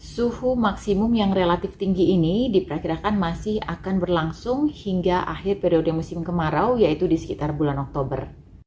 suhu maksimum yang relatif tinggi ini diperkirakan masih akan berlangsung hingga akhir periode musim kemarau yaitu di sekitar bulan oktober